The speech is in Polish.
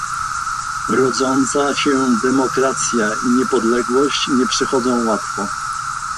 Rodząca się demokracja i niepodległość nie przychodzą łatwo